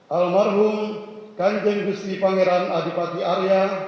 almarhum kanjeng gusti pangeran adipati arya